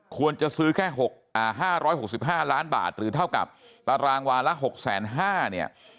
ควรจะซื้อแค่๕๖๕ล้านบาทหรือเท่ากับตารางวาละ๖๕๐๐เนี่ย